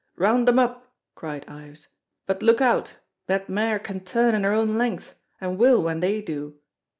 "Round them up," cried Ives, "but look out! That mare can turn in her own length, and will when they do!"